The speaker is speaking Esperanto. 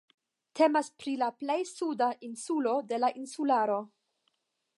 Temas pri la plej suda insulo de la insularo.